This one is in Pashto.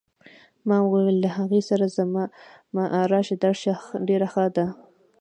ما وویل له هغې سره زما راشه درشه ډېره ښه ده.